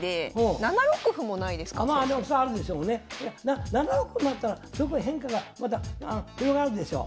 ７六歩もあったら変化がまた広がるでしょう。